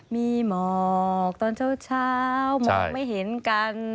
มีหมอกตอนเช้ามองไม่เห็นกัน